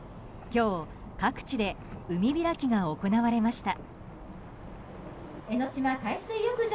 今日、各地で海開きが行われました。